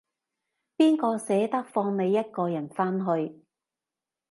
邊個捨得放你一個人返去